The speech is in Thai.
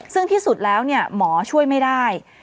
ซึ่งที่สุดแล้วหมอช่วยไม่ได้